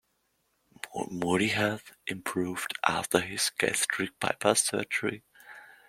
Moody's health improved after his gastric bypass surgery.